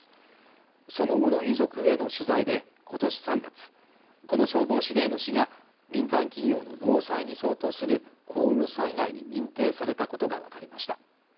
その後の遺族への取材で今年３月この消防司令の死が民間企業の労災に相当する公務災害に認定されたことが分かりました